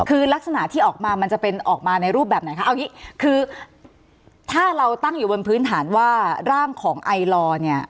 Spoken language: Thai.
คือลักษณะที่ออกมามันจะเป็นออกมาในรูปแบบไหนคะเอาอย่างนี้คือถ้าเราตั้งอยู่บนพื้นฐานว่าร่างของไอลอร์เนี่ย